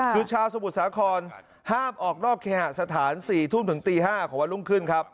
ยุทธ์ชาวสมุทรสาครห้ามออกรอบแคหะสถาน๔ทุ่มถึงตี๕ของวันรุ่งขึ้น